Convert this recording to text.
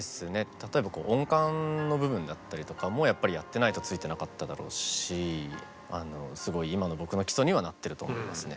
例えば音感の部分だったりとかもやってないとついてなかっただろうしすごい今の僕の基礎にはなってると思いますね。